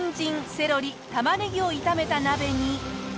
セロリ玉ネギを炒めた鍋に。